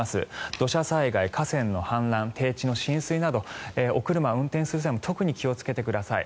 土砂災害、河川の氾濫低地の浸水などお車、運転する際も特に気をつけてください。